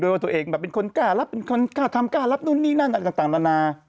ว่าตัวเองแบบเป็นคนกล้ารับเป็นคนกล้าทำกล้ารับนู่นนี่นั่นอะไรต่างนานา